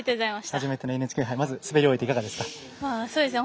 初めてのＮＨＫ杯まず滑り終えていかがですか？